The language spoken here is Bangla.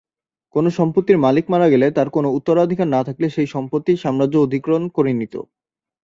কোনো সম্পত্তির মালিক মারা গেলে তাঁর কোনো উত্তরাধিকার না থাকলে সেই সম্পত্তি সাম্রাজ্য অধিগ্রহণ করে নিত।